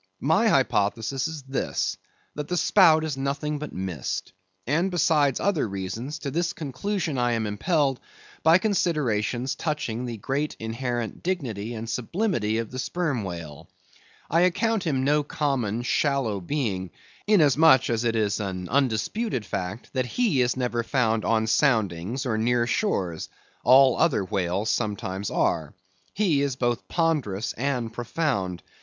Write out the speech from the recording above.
My hypothesis is this: that the spout is nothing but mist. And besides other reasons, to this conclusion I am impelled, by considerations touching the great inherent dignity and sublimity of the Sperm Whale; I account him no common, shallow being, inasmuch as it is an undisputed fact that he is never found on soundings, or near shores; all other whales sometimes are. He is both ponderous and profound.